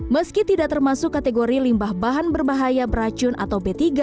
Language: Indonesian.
meski tidak termasuk kategori limbah bahan berbahaya beracun atau b tiga